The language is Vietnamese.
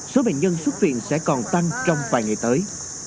số bệnh nhân xuất viện sẽ còn tăng trong vài ngày tới